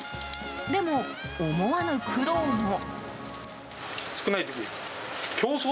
でも、思わぬ苦労も。